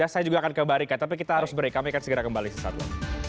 saya juga akan ke mbak rika tapi kita harus break kami akan segera kembali sesaat lagi